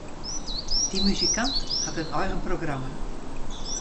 Dy muzikant hat in eigen programma.